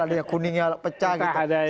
ada kuningnya pecah gitu